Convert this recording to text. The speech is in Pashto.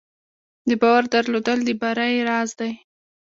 د باور درلودل د بری راز دی.